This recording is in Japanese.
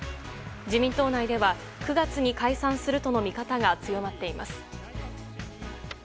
自民党内では９月に解散するとの見方が強まっています。